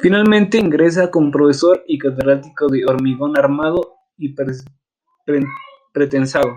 Finalmente, ingresa como Profesor y Catedrático de Hormigón Armado y Pretensado.